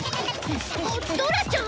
ドラちゃん！？